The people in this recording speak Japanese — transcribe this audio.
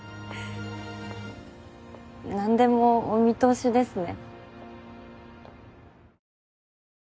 何でもお見通しですね。